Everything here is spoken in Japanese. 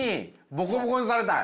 ボコボコにされたい。